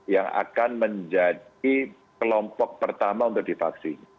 yang akan menjadi kelompok pertama untuk divaksin